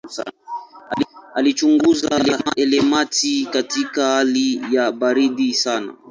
Alichunguza elementi katika hali ya baridi sana.